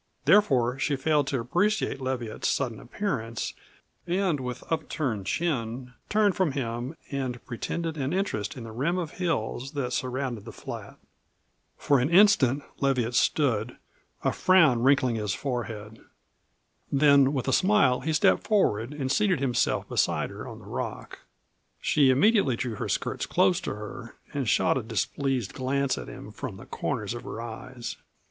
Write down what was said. Therefore she failed to appreciate Leviatt's sudden appearance, and with uptilted chin turned from him and pretended an interest in the rim of hills that surrounded the flat. For an instant Leviatt stood, a frown wrinkling his forehead. Then with a smile he stepped forward and seated himself beside her on the rock. She immediately drew her skirts close to her and shot a displeased glance at him from the corners of her eyes.